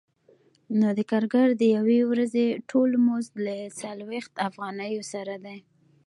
نو د کارګر د یوې ورځې ټول مزد له څلوېښت افغانیو سره دی